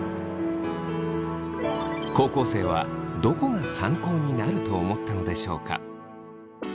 高校生はどこが参考になると思ったのでしょうか？